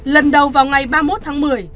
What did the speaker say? lần đầu vào ngày ba mươi một tháng một mươi